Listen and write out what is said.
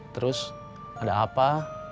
terus ada apa